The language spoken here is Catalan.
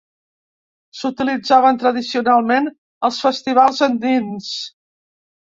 S'utilitzaven tradicionalment als festivals andins.